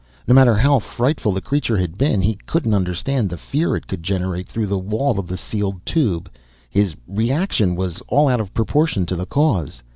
No matter how frightful the creature had been, he couldn't understand the fear it could generate through the wall of the sealed tube. His reaction was all out of proportion to the cause.